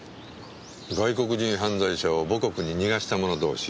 外国人犯罪者を母国に逃がした者同士。